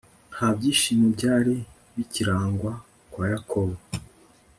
nta byishimo byari bikirangwa kwa yakobo